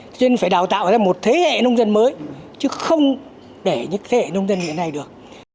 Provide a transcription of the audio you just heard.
cho nên phải đào tạo ra một thế hệ nông dân mới chứ không để những thế hệ nông dân hiện nay được